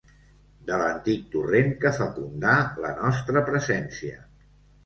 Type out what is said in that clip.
De l’antic torrent que fecundà la nostra presència.